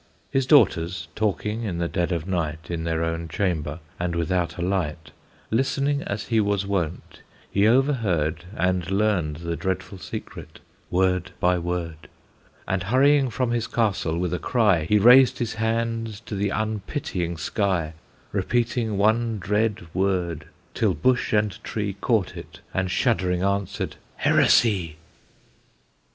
His daughters talking in the dead of night In their own chamber, and without a light, Listening, as he was wont, he overheard, And learned the dreadful secret, word by word; And hurrying from his castle, with a cry He raised his hands to the unpitying sky, Repeating one dread word, till bush and tree Caught it, and shuddering answered, "Heresy!"